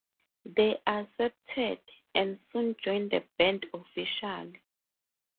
They accepted, and soon joined the band officially.